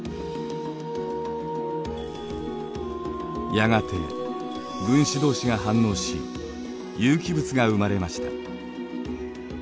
やがて分子同士が反応し有機物が生まれました。